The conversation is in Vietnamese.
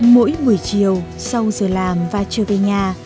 mỗi buổi chiều sau giờ làm và trở về nhà